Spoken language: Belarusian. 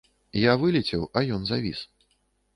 Я вылецеў, а ён завіс.